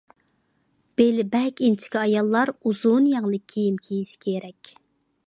بېلى بەك ئىنچىكە ئاياللار ئۇزۇن يەڭلىك كىيىم كىيىشى كېرەك.